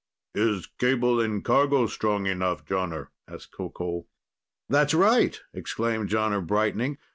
"Is cable in cargo strong enough, Jonner?" asked Qoqol. "That's right!" exclaimed Jonner, brightening.